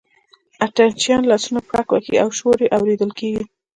اتڼ چیان لاسونه پړک وهي او شور یې اورېدل کېږي.